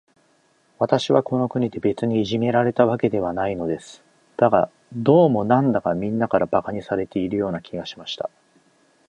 私はこの国で、別にいじめられたわけではないのです。だが、どうも、なんだか、みんなから馬鹿にされているような気がしました。